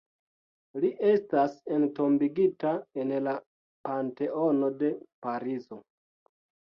Li estas entombigita en la Panteono de Parizo.